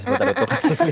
yang mananya robotnya